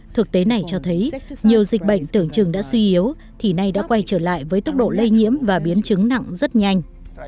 thực tế này cho thấy nhiều dịch bệnh tưởng chừng đã suy yếu thì nay đã quay trở lại với tốc độ lây nhiễm và biến chứng nặng rất nhanh